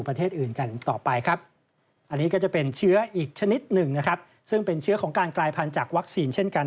อันนี้ก็จะเป็นเชื้ออีกชนิดหนึ่งซึ่งเป็นเชื้อของการกลายพันธุ์จากวัคซีนเช่นกัน